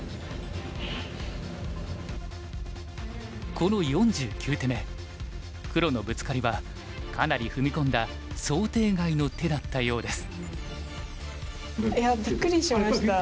この４９手目黒のブツカリはかなり踏み込んだ想定外の手だったようです。